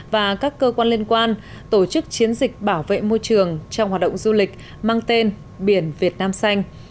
và các cơ quan liên quan tổ chức chiến dịch bảo vệ môi trường trong hoạt động du lịch mang tên biển việt nam xanh